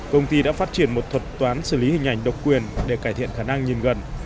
công ty đã phát triển một thuật toán xử lý hình ảnh độc quyền để cải thiện khả năng nhìn gần